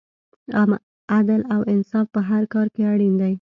عدل او انصاف په هر کار کې اړین دی.